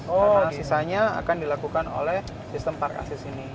oh sisanya akan dilakukan oleh sistem park assis ini